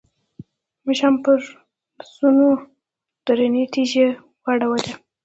موږ هم پرنسونو درنې تیږې واړولې.